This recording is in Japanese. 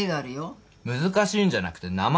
難しいんじゃなくて名前なの。